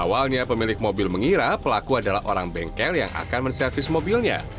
awalnya pemilik mobil mengira pelaku adalah orang bengkel yang akan menservis mobilnya